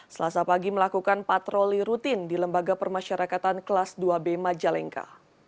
selasa pagi melakukan patroli rutin di lembaga permasyarakatan kelas dua b majalengka